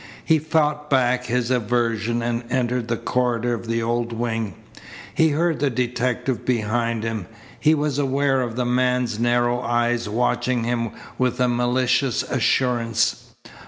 He fought back his aversion and entered the corridor of the old wing. He heard the detective behind him. He was aware of the man's narrow eyes watching him with a malicious assurance.